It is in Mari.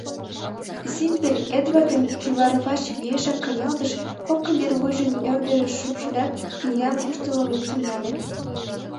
Зимпель Эдвардым кӱварвач виешак кынелтыш, кок кынервуйжым ӧрдыжыш шупшылят, книгам куштылгын луктын нале.